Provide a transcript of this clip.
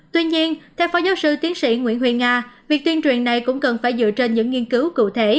tuy nhiên theo phó giáo sư tiến sĩ nguyễn huyền nga việc tuyên truyền này cũng cần phải dựa trên những nghiên cứu cụ thể